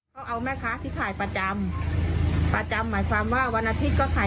เขาเอาแม่ค้าที่ขายประจำประจำหมายความว่าวันอาทิตย์ก็ขาย